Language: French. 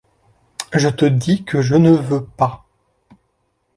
Je te dis que je ne veux pas.